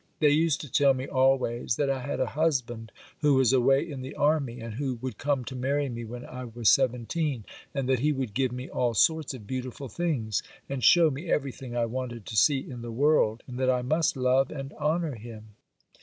They used to tell me always that I had a husband who was away in the army, and who would come to marry me when I was seventeen, and that he would give me all sorts of beautiful things, and show me everything I wanted to see in the world, and that I must love and honour him.